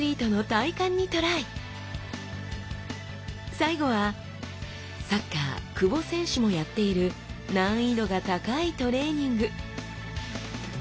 最後はサッカー久保選手もやっている難易度が高いトレーニング！